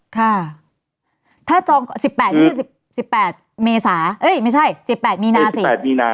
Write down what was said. ค่ะถ้าจอง๑๘นี่คือ๑๘เมษาเอ้ยไม่ใช่๑๘มีนาสิ๘มีนา